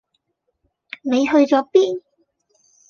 你去左邊？